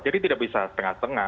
jadi tidak bisa setengah tengah